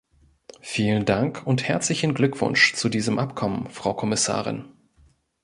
Vielen Dank und herzlichen Glückwunsch zu diesem Abkommen, Frau Kommissarin.